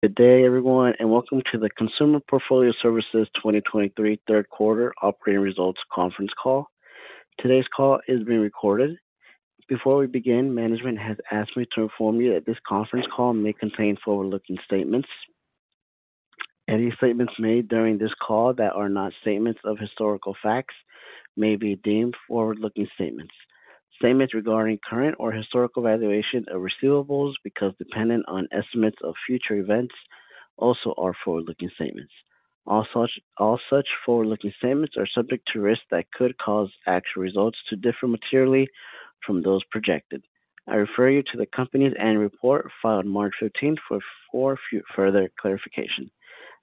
Good day, everyone, and welcome to the Consumer Portfolio Services 2023 third quarter operating results conference call. Today's call is being recorded. Before we begin, management has asked me to inform you that this conference call may contain forward-looking statements. Any statements made during this call that are not statements of historical facts may be deemed forward-looking statements. Statements regarding current or historical valuation of receivables, because dependent on estimates of future events, also are forward-looking statements. All such, all such forward-looking statements are subject to risks that could cause actual results to differ materially from those projected. I refer you to the company's annual report filed March fifteenth for, for further clarification.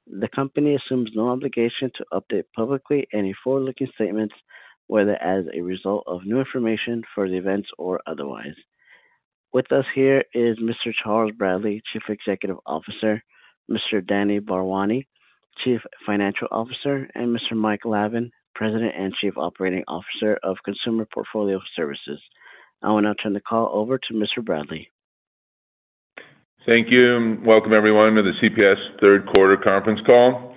The company assumes no obligation to update publicly any forward-looking statements, whether as a result of new information, further events, or otherwise. With us here is Mr. Charles Bradley, Chief Executive Officer, Mr. Danny Bharwani, Chief Financial Officer, and Mr. Mike Lavin, President and Chief Operating Officer of Consumer Portfolio Services. I will now turn the call over to Mr. Bradley. Thank you, and welcome everyone to the CPS third quarter conference call.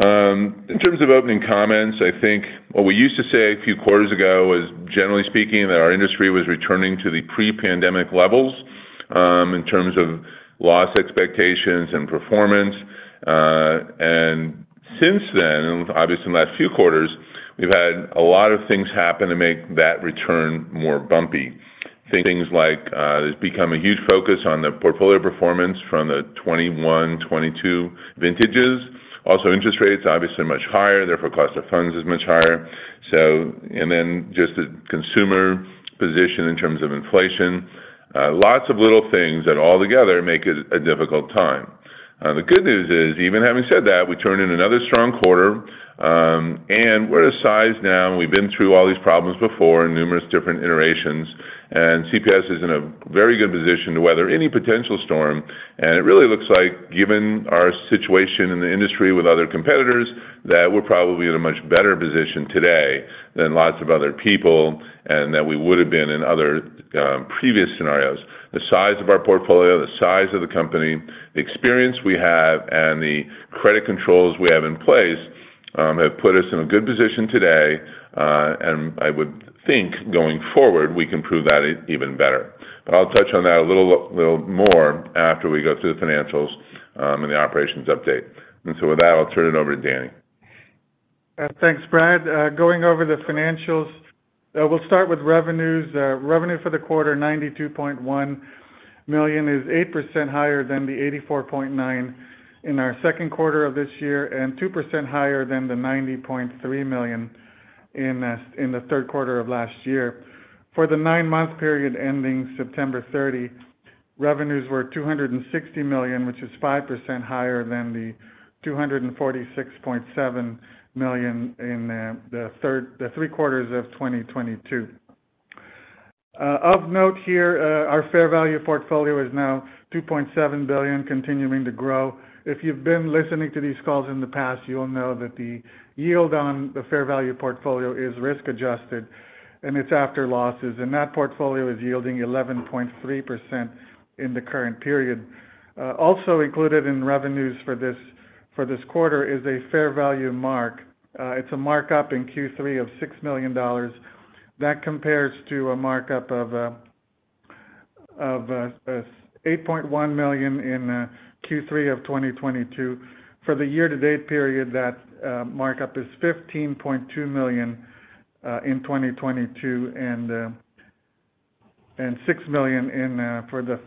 In terms of opening comments, I think what we used to say a few quarters ago was, generally speaking, that our industry was returning to the pre-pandemic levels, in terms of loss expectations and performance. And since then, obviously in the last few quarters, we've had a lot of things happen to make that return more bumpy. Things like, it's become a huge focus on the portfolio performance from the 2021, 2022 vintages. Also, interest rates are obviously much higher; therefore, cost of funds is much higher. And then just the consumer position in terms of inflation. Lots of little things that altogether make it a difficult time. The good news is, even having said that, we turned in another strong quarter, and we're at a size now, and we've been through all these problems before in numerous different iterations, and CPS is in a very good position to weather any potential storm. It really looks like, given our situation in the industry with other competitors, that we're probably in a much better position today than lots of other people, and that we would have been in other, previous scenarios. The size of our portfolio, the size of the company, the experience we have, and the credit controls we have in place, have put us in a good position today, and I would think going forward, we can prove that even better. But I'll touch on that a little more after we go through the financials, and the operations update. With that, I'll turn it over to Danny. Thanks, Brad. Going over the financials, we'll start with revenues. Revenue for the quarter, $92.1 million, is 8% higher than the $84.9 million in our second quarter of this year, and 2% higher than the $90.3 million in the third quarter of last year. For the nine-month period ending September 30, revenues were $260 million, which is 5% higher than the $246.7 million in the three quarters of 2022. Of note here, our fair value portfolio is now $2.7 billion, continuing to grow. If you've been listening to these calls in the past, you'll know that the yield on the fair value portfolio is risk-adjusted, and it's after losses, and that portfolio is yielding 11.3% in the current period. Also included in revenues for this quarter is a fair value mark. It's a markup in Q3 of $6 million. That compares to a markup of $8.1 million in Q3 of 2022. For the year-to-date period, that markup is $15.2 million in 2022 and $6 million in for the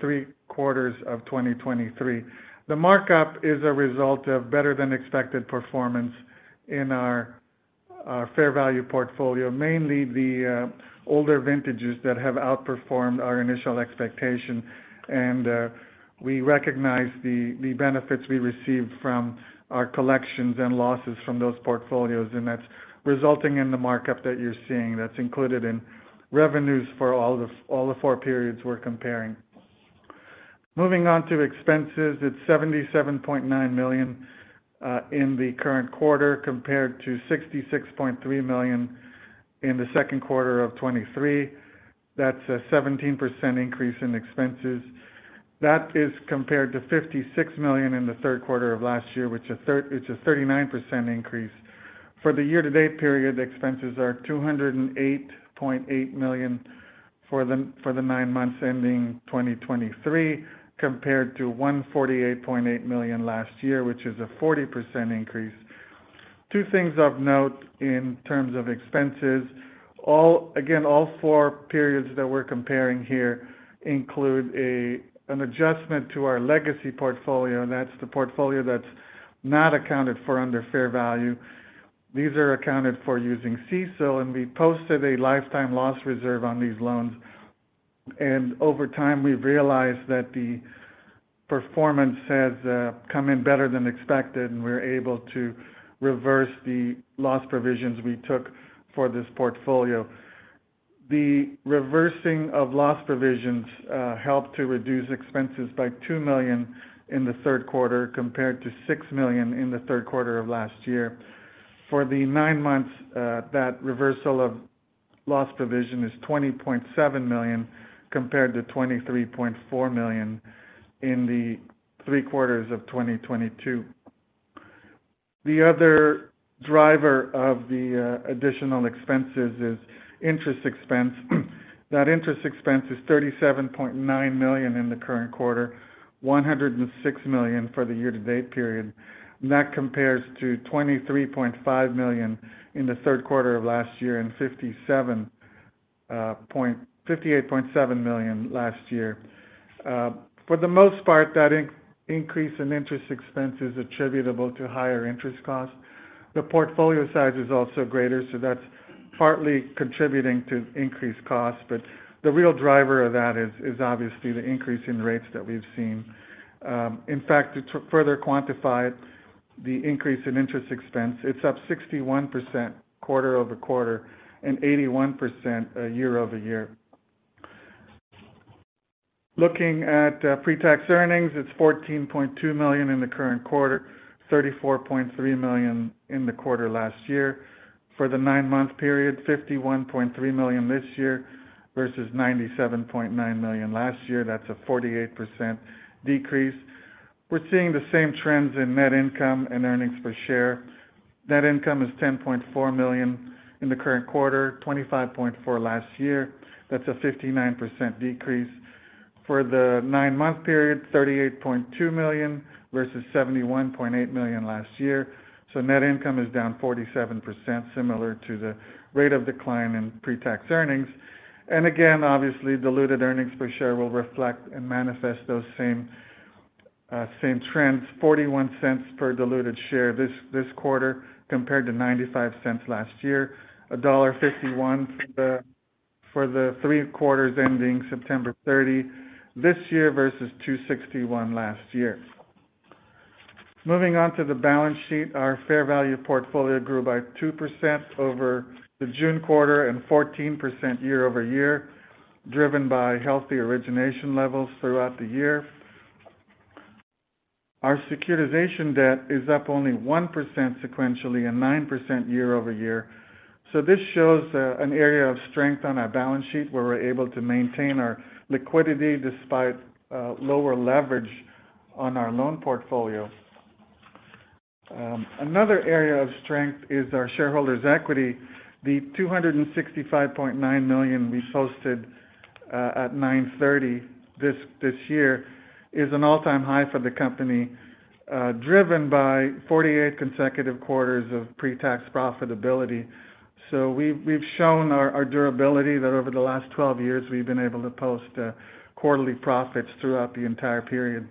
three quarters of 2023. The markup is a result of better-than-expected performance in our fair value portfolio, mainly the older vintages that have outperformed our initial expectation. We recognize the benefits we received from our collections and losses from those portfolios, and that's resulting in the markup that you're seeing. That's included in revenues for all the four periods we're comparing. Moving on to expenses, it's $77.9 million in the current quarter, compared to $66.3 million in the second quarter of 2023. That's a 17% increase in expenses. That is compared to $56 million in the third quarter of last year, which is a 39% increase. For the year-to-date period, the expenses are $208.8 million for the nine months ending 2023, compared to $148.8 million last year, which is a 40% increase. Two things of note in terms of expenses. Again, all four periods that we're comparing here include an adjustment to our legacy portfolio, and that's the portfolio that's not accounted for under fair value. These are accounted for using CECL, and we posted a lifetime loss reserve on these loans. Over time, we've realized that the performance has come in better than expected, and we're able to reverse the loss provisions we took for this portfolio. The reversing of loss provisions helped to reduce expenses by $2 million in the third quarter, compared to $6 million in the third quarter of last year. For the nine months, that reversal of loss provision is $20.7 million compared to $23.4 million in the three quarters of 2022. The other driver of the additional expenses is interest expense. That interest expense is $37.9 million in the current quarter, $106 million for the year-to-date period. That compares to $23.5 million in the third quarter of last year and $58.7 million last year. For the most part, that increase in interest expense is attributable to higher interest costs. The portfolio size is also greater, so that's partly contributing to increased costs. But the real driver of that is obviously the increase in rates that we've seen. In fact, to further quantify the increase in interest expense, it's up 61% quarter-over-quarter and 81% year-over-year. Looking at pre-tax earnings, it's $14.2 million in the current quarter, $34.3 million in the quarter last year. For the nine-month period, $51.3 million this year versus $97.9 million last year. That's a 48% decrease. We're seeing the same trends in net income and earnings per share. Net income is $10.4 million in the current quarter, $25.4 million last year. That's a 59% decrease. For the nine-month period, $38.2 million versus $71.8 million last year. So net income is down 47%, similar to the rate of decline in pre-tax earnings. And again, obviously, diluted earnings per share will reflect and manifest those same, same trends. $0.41 per diluted share this, this quarter, compared to $0.95 last year. $1.51 for the, for the three quarters ending September 30 this year, versus $2.61 last year. Moving on to the balance sheet. Our fair value portfolio grew by 2% over the June quarter and 14% year-over-year, driven by healthy origination levels throughout the year. Our securitization debt is up only 1% sequentially and 9% year-over-year. So this shows, an area of strength on our balance sheet, where we're able to maintain our liquidity despite, lower leverage on our loan portfolio. Another area of strength is our shareholders' equity. The $265.9 million we posted, at 9/30 this year, is an all-time high for the company, driven by 48 consecutive quarters of pre-tax profitability. So we've shown our durability, that over the last 12 years, we've been able to post quarterly profits throughout the entire period.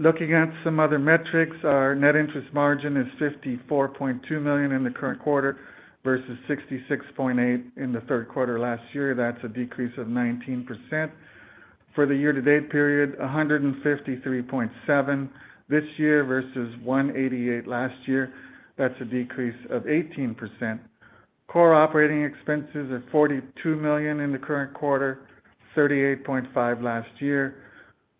Looking at some other metrics, our net interest margin is $54.2 million in the current quarter versus $66.8 million in the third quarter last year. That's a decrease of 19%. For the year-to-date period, $153.7 million this year versus $188 million last year. That's a decrease of 18%. Core operating expenses are $42 million in the current quarter, $38.5 million last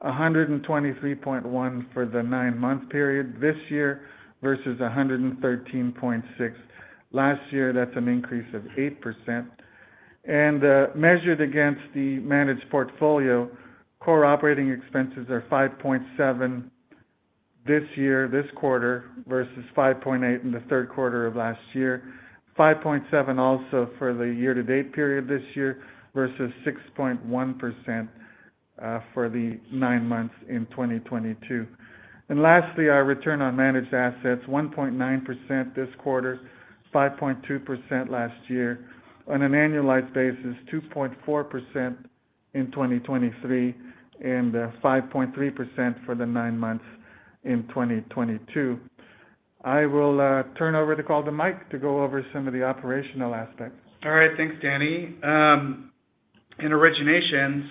year, $123.1 million for the nine-month period this year versus $113.6 million last year. That's an increase of 8%. And, measured against the managed portfolio, core operating expenses are 5.7% this year, this quarter, versus 5.8% in the third quarter of last year. 5.7 also for the year-to-date period this year, versus 6.1% for the nine months in 2022. And lastly, our return on managed assets, 1.9% this quarter, 5.2% last year. On an annualized basis, 2.4% in 2023 and 5.3% for the nine months in 2022. I will turn over the call to Mike to go over some of the operational aspects. All right. Thanks, Danny. In originations,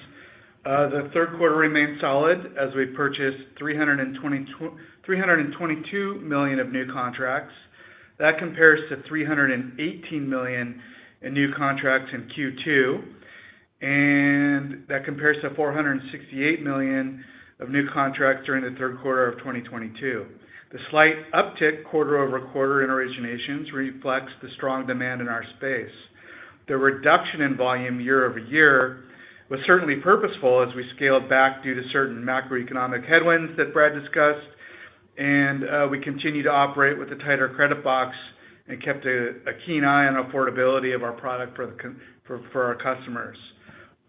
the third quarter remained solid as we purchased $322 million of new contracts. That compares to $318 million in new contracts in Q2, and that compares to $468 million of new contracts during the third quarter of 2022. The slight uptick quarter-over-quarter in originations reflects the strong demand in our space. The reduction in volume year-over-year was certainly purposeful as we scaled back due to certain macroeconomic headwinds that Brad discussed. We continued to operate with a tighter credit box and kept a keen eye on affordability of our product for our customers.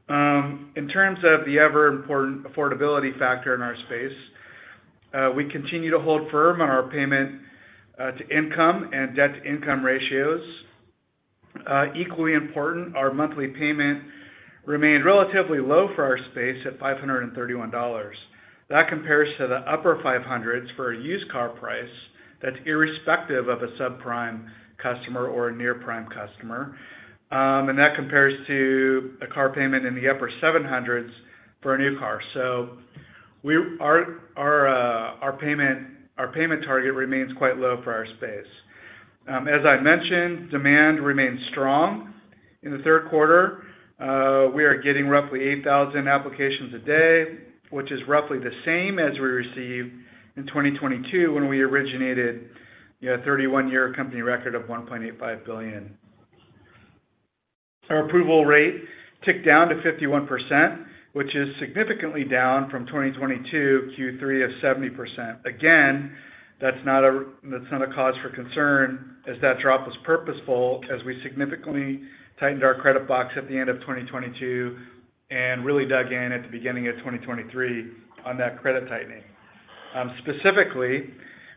In terms of the ever-important affordability factor in our space, we continue to hold firm on our payment-to-income and debt-to-income ratios. Equally important, our monthly payment remained relatively low for our space at $531. That compares to the upper $500s for a used car price that's irrespective of a subprime customer or a near-prime customer. And that compares to a car payment in the upper $700s for a new car. So our payment target remains quite low for our space. As I mentioned, demand remains strong in the third quarter. We are getting roughly 8,000 applications a day, which is roughly the same as we received in 2022 when we originated, you know, a 31-year company record of $1.85 billion. Our approval rate ticked down to 51%, which is significantly down from 2022 Q3 of 70%. Again, that's not a, that's not a cause for concern, as that drop was purposeful, as we significantly tightened our credit box at the end of 2022 and really dug in at the beginning of 2023 on that credit tightening. Specifically,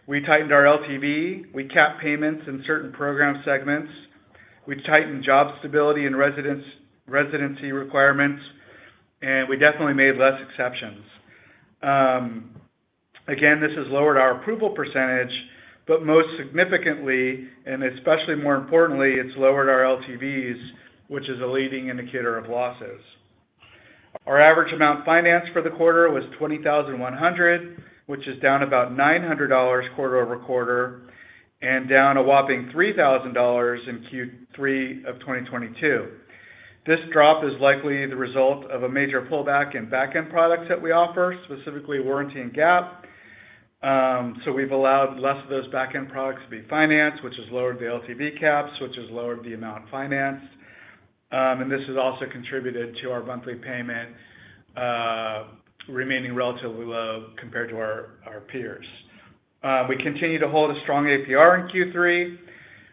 we tightened our LTV, we capped payments in certain program segments, we tightened job stability and residency requirements, and we definitely made less exceptions. Again, this has lowered our approval percentage, but most significantly, and especially more importantly, it's lowered our LTVs, which is a leading indicator of losses. Our average amount financed for the quarter was $20,100, which is down about $900 quarter-over-quarter, and down a whopping $3,000 in Q3 of 2022. This drop is likely the result of a major pullback in backend products that we offer, specifically warranty and GAP. So we've allowed less of those backend products to be financed, which has lowered the LTV caps, which has lowered the amount financed. And this has also contributed to our monthly payment remaining relatively low compared to our, our peers. We continue to hold a strong APR in Q3,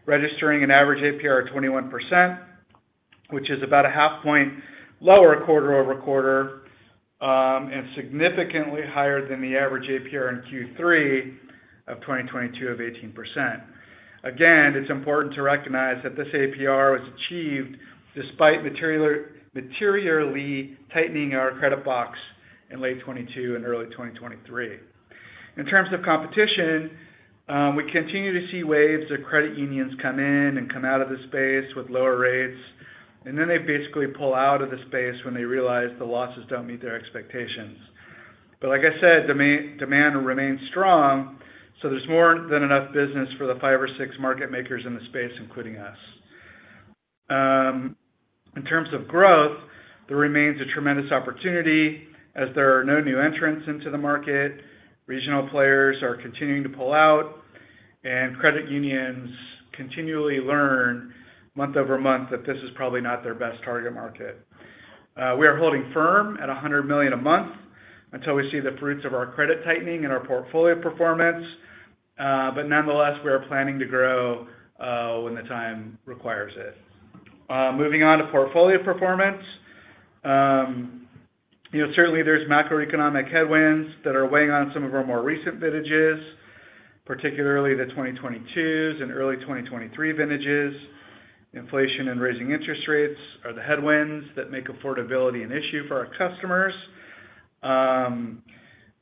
registering an average APR of 21%, which is about a half point lower quarter-over-quarter, and significantly higher than the average APR in Q3 of 2022 of 18%. Again, it's important to recognize that this APR was achieved despite materially tightening our credit box in late 2022 and early 2023. In terms of competition, we continue to see waves of credit unions come in and come out of the space with lower rates, and then they basically pull out of the space when they realize the losses don't meet their expectations. But like I said, demand remains strong, so there's more than enough business for the five or six market makers in the space, including us. In terms of growth, there remains a tremendous opportunity as there are no new entrants into the market, regional players are continuing to pull out, and credit unions continually learn month-over-month that this is probably not their best target market. We are holding firm at $100 million a month until we see the fruits of our credit tightening and our portfolio performance. But nonetheless, we are planning to grow when the time requires it. Moving on to portfolio performance. You know, certainly there's macroeconomic headwinds that are weighing on some of our more recent vintages, particularly the 2022s and early 2023 vintages. Inflation and raising interest rates are the headwinds that make affordability an issue for our customers.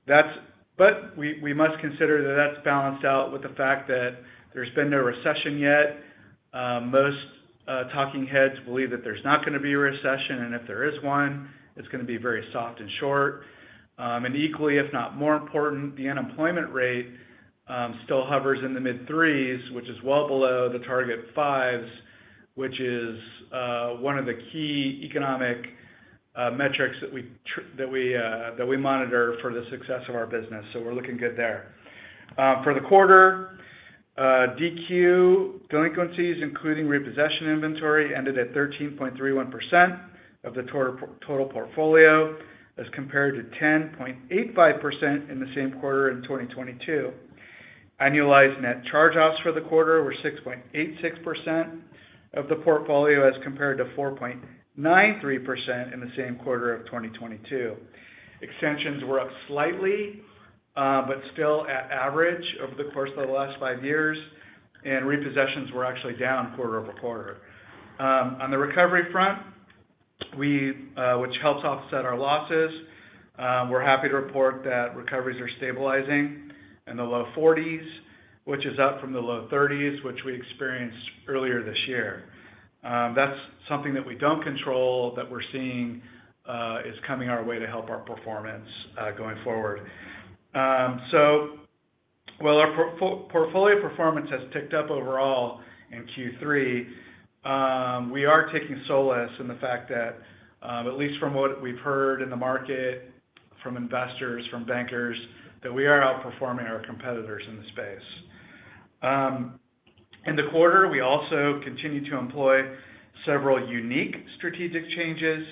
That's, but we must consider that that's balanced out with the fact that there's been no recession yet. Most talking heads believe that there's not gonna be a recession, and if there is one, it's gonna be very soft and short. And equally, if not more important, the unemployment rate still hovers in the mid-threes, which is well below the target fives, which is one of the key economic metrics that we monitor for the success of our business. So we're looking good there. For the quarter, DQ delinquencies, including repossession inventory, ended at 13.31% of the total portfolio, as compared to 10.85% in the same quarter in 2022. Annualized net charge-offs for the quarter were 6.86% of the portfolio, as compared to 4.93% in the same quarter of 2022. Extensions were up slightly, but still at average over the course of the last five years, and repossessions were actually down quarter-over-quarter. On the recovery front, we, which helps offset our losses, we're happy to report that recoveries are stabilizing in the low 40s, which is up from the low 30s, which we experienced earlier this year. That's something that we don't control, that we're seeing, is coming our way to help our performance, going forward. So while our portfolio performance has ticked up overall in Q3, we are taking solace in the fact that, at least from what we've heard in the market, from investors, from bankers, that we are outperforming our competitors in the space. In the quarter, we also continued to employ several unique strategic changes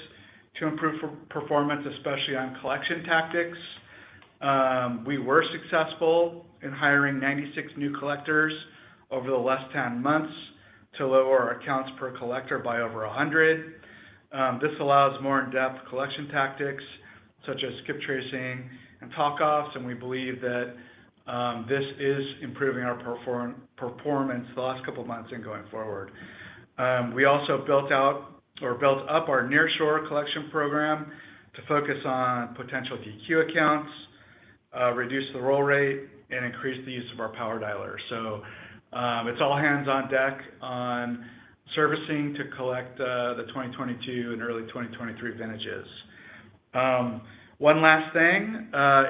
to improve performance, especially on collection tactics. We were successful in hiring 96 new collectors over the last 10 months to lower our accounts per collector by over 100. This allows more in-depth collection tactics, such as skip tracing and talkoffs, and we believe that this is improving our performance the last couple of months and going forward. We also built out or built up our nearshore collection program to focus on potential DQ accounts, reduce the roll rate, and increase the use of our power dialer. So, it's all hands on deck on servicing to collect the 2022 and early 2023 vintages. One last thing,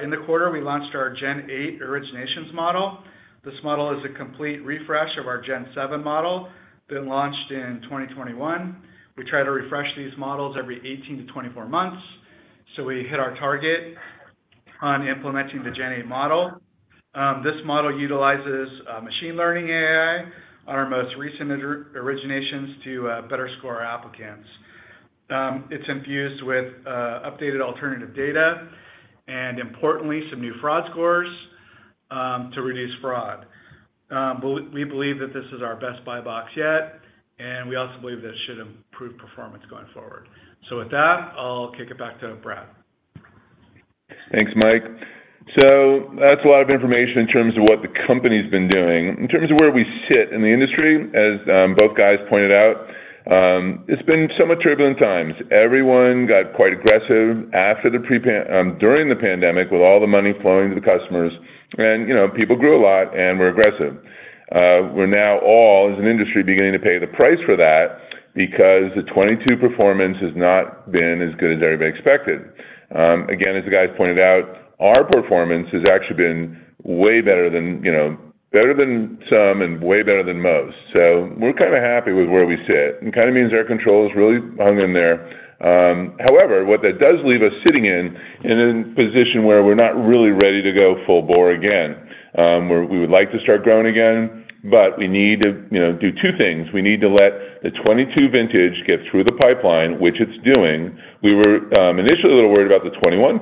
in the quarter, we launched our Gen 8 originations model. This model is a complete refresh of our Gen 7 model, been launched in 2021. We try to refresh these models every 18-24 months, so we hit our target on implementing the Gen 8 model. This model utilizes machine learning AI on our most recent originations to better score applicants. It's infused with updated alternative data and importantly, some new fraud scores to reduce fraud. We believe that this is our best buy box yet, and we also believe this should improve performance going forward. So with that, I'll kick it back to Brad. Thanks, Mike. That's a lot of information in terms of what the company's been doing. In terms of where we sit in the industry, as both guys pointed out, it's been somewhat turbulent times. Everyone got quite aggressive during the pandemic, with all the money flowing to the customers and, you know, people grew a lot, and we're aggressive. We're now all, as an industry, beginning to pay the price for that because the 2022 performance has not been as good as everybody expected. Again, as the guys pointed out, our performance has actually been way better than, you know, better than some and way better than most. We're kinda happy with where we sit. It kinda means our control is really hung in there. However, what that does leave us sitting in, in a position where we're not really ready to go full bore again. Where we would like to start growing again, but we need to, you know, do two things. We need to let the 22 vintage get through the pipeline, which it's doing. We were, initially a little worried about the 21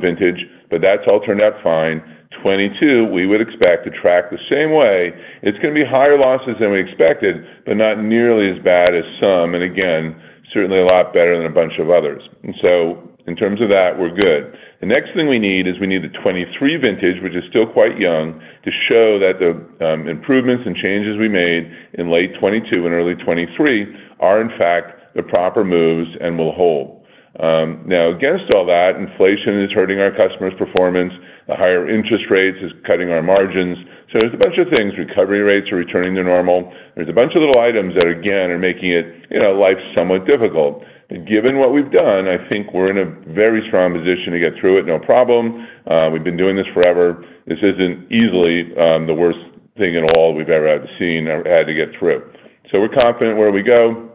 vintage, but that's all turned out fine. 22, we would expect to track the same way. It's gonna be higher losses than we expected, but not nearly as bad as some, and again, certainly a lot better than a bunch of others. And so in terms of that, we're good. The next thing we need is we need the 2023 vintage, which is still quite young, to show that the improvements and changes we made in late 2022 and early 2023 are, in fact, the proper moves and will hold. Now, against all that, inflation is hurting our customers' performance. The higher interest rates is cutting our margins. So there's a bunch of things. Recovery rates are returning to normal. There's a bunch of little items that, again, are making it, you know, life somewhat difficult. Given what we've done, I think we're in a very strong position to get through it, no problem. We've been doing this forever. This isn't easily the worst thing at all we've ever seen or had to get through. So we're confident where we go.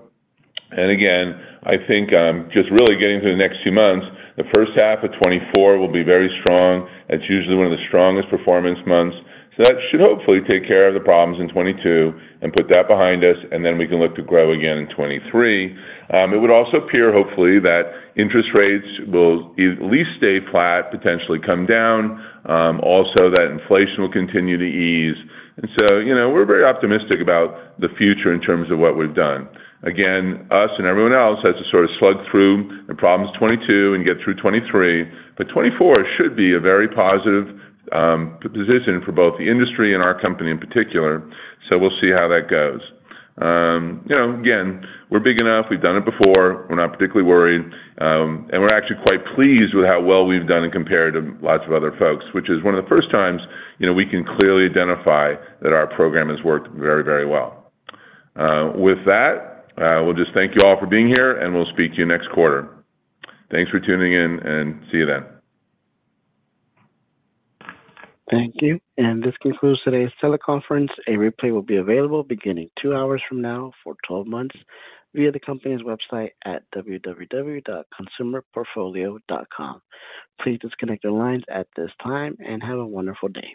Again, I think, just really getting through the next few months, the first half of 2024 will be very strong. It's usually one of the strongest performance months, so that should hopefully take care of the problems in 2022 and put that behind us, and then we can look to grow again in 2023. It would also appear, hopefully, that interest rates will at least stay flat, potentially come down, also, that inflation will continue to ease. And so, you know, we're very optimistic about the future in terms of what we've done. Again, us and everyone else has to sort of slug through the problems of 2022 and get through 2023, but 2024 should be a very positive position for both the industry and our company in particular. So we'll see how that goes. You know, again, we're big enough. We've done it before. We're not particularly worried, and we're actually quite pleased with how well we've done compared to lots of other folks, which is one of the first times, you know, we can clearly identify that our program has worked very, very well. With that, we'll just thank you all for being here, and we'll speak to you next quarter. Thanks for tuning in, and see you then. Thank you, and this concludes today's teleconference. A replay will be available beginning two hours from now for 12 months via the company's website at www.consumerportfolio.com. Please disconnect your lines at this time and have a wonderful day.